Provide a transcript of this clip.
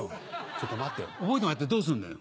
ちょっと待ってよ覚えてもらってどうすんのよ？